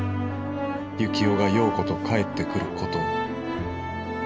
行男が葉子と帰ってくることを。